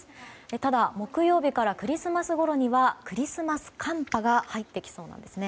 ただ、木曜日からクリスマスごろにはクリスマス寒波が入ってきそうなんですね。